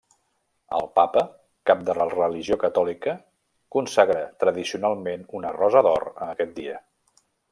El papa, cap de la religió catòlica consagra tradicionalment una rosa d'or a aquest dia.